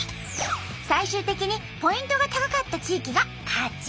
最終的にポイントが高かった地域が勝ち。